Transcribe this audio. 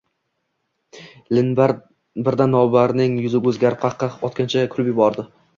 Birdan Lobarning yuzi o`zgarib qah-qah otgancha kulib yubordi